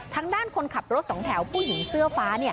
ทางด้านคนขับรถสองแถวผู้หญิงเสื้อฟ้า